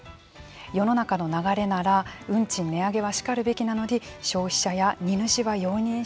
世の中の流れなら運賃値上げはしかるべきなのに消費者や荷主は容認してくれない。